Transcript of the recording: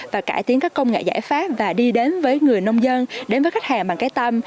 và cải tiến các công nghệ giải pháp và đi đến với người nông dân đến với khách hàng bằng cái tâm